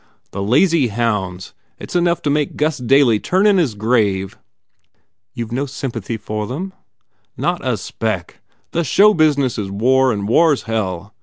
The lazy hounds! It s enough to make Gus Daly turn in his grave!" "You ve no sympathy with them?" "Not a speck! The show business is war and war s hell.